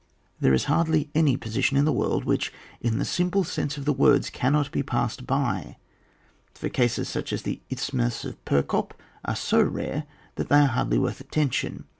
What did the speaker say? no ON WAR. [BOOK VI. There is hardly any position in the world which, in the simple sense of the words, cannot be passed by, for cases such as the isthmus of Perekop are so rare that they are hardly worth attention.